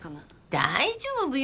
大丈夫よ。